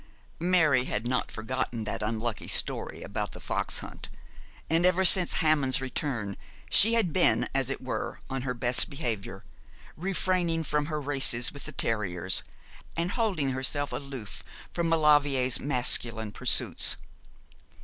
Mary had not forgotten that unlucky story about the fox hunt, and ever since Hammond's return she had been as it were on her best behaviour, refraining from her races with the terriers, and holding herself aloof from Maulevrier's masculine pursuits.